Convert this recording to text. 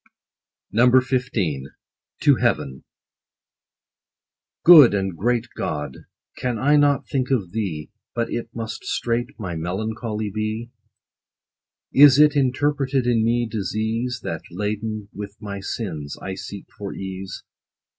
6o XV. — TO HEAVEN. Good and great GOD ! can I not think of thee, But it must straight my melancholy be ? Is it interpreted in me disease, That, laden with my sins, I seek for ease